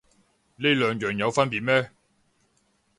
呢兩樣有分別咩